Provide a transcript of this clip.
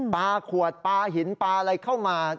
ปลาขวดปลาหินปลาอะไรเข้ามา